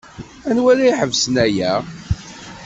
Anwa ara iḥebsen aya?